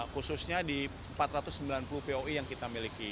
khususnya di empat ratus sembilan puluh poi yang kita miliki